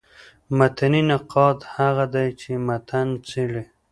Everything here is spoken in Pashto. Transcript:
متني نقاد هغه دﺉ، چي متن څېړي.